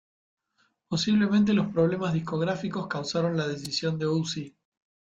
Posiblemente los problemas discográficos causaron la decisión de Uzi.